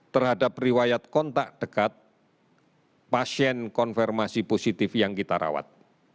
terhadap riwayat kontak dekat pasien konfirmasi positif yang kita rawat